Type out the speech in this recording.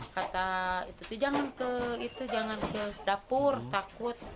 kata jangan ke dapur takut